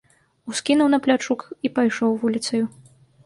Ускінуў на плячук і пайшоў вуліцаю.